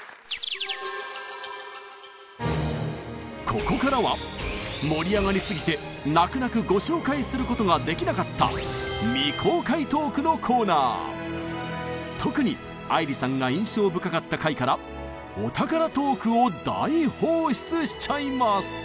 ここからは盛り上がりすぎて泣く泣くご紹介することができなかった特に愛理さんが印象深かった回からお宝トークを大放出しちゃいます！